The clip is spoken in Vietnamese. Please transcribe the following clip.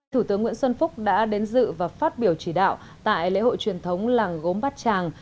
thủ tướng nguyễn xuân phúc đã đến dự và phát biểu chỉ đạo tại lễ hội truyền thống làng gốm bát tràng